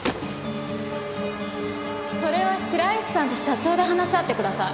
それは白石さんと社長で話し合ってください。